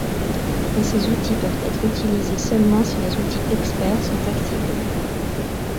Mais ces outils peuvent être utilisés seulement si les outils experts sont activés.